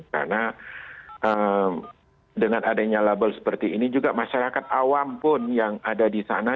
karena dengan adanya label seperti ini juga masyarakat awam pun yang ada di sana